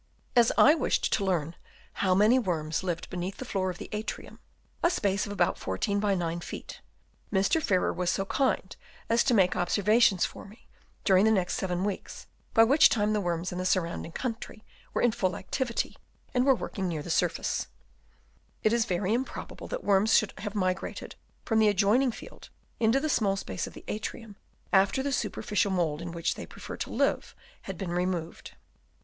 As I wished to learn how many worms lived beneath the floor of the atrium — a space of about 14 by 9 feet — Mr. Farrer was so kind as to make observations for me, during the next seven weeks, by which time the worms in the surrounding country were in full activity, and were working 188 BURIAL OF THE REMAINS Chap. IY. near the surface. It is very improbable that worms should have migrated from the adjoin ing field into the small space of the atrium, after the superficial mould in which they prefer to live, had been removed.